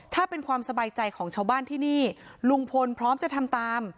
ถ้าเป็นความสบายใจของชาวบ้านที่นี่ลุงพลพร้อมจะทำตาม